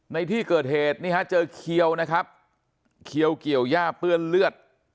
ในที่เกิดเหตุนี่ฮะเจอเขียวนะครับเขียวเกี่ยวย่าเปื้อนเลือด